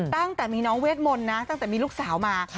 ตั้งแต่มีน้องเวทมนต์นะตั้งแต่มีลูกสาวมา